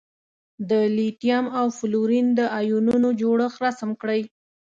د لیتیم او فلورین د ایونونو جوړښت رسم کړئ.